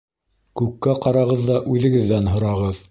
Күккә ҡарағыҙ ҙа үҙегеҙҙән һорағыҙ: